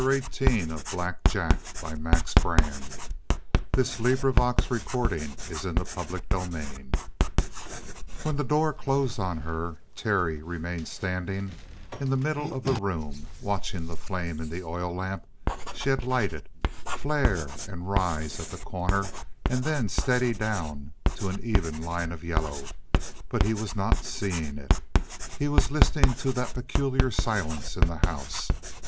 "No trouble," she muttered at length. "None at all. Make yourself to home, Mr. Hollis!" CHAPTER 18 When the door closed on her, Terry remained standing in the middle of the room watching the flame in the oil lamp she had lighted flare and rise at the corner, and then steady down to an even line of yellow; but he was not seeing it; he was listening to that peculiar silence in the house.